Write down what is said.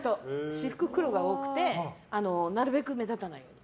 私服、黒が多くてなるべく目立たないように。